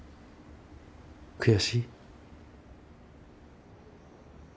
悔しい？